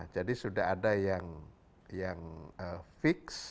jadi sudah ada yang fix